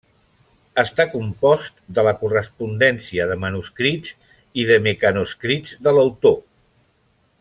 Està compost de la correspondència, de manuscrits i de mecanoscrits de l'autor.